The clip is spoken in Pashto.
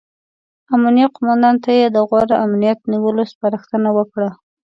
امنیه قوماندان ته یې د غوره امنیت نیولو سپارښتنه وکړه.